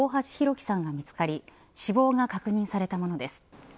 輝さんが見つかり死亡が確認されたものです。